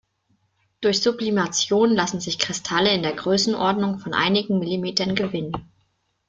Durch Sublimation lassen sich Kristalle in der Größenordnung von einigen Millimetern gewinnen.